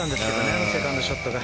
あのセカンドショットが。